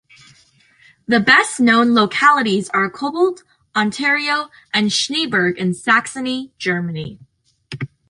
The best known localities are Cobalt, Ontario and Schneeberg in Saxony, Germany.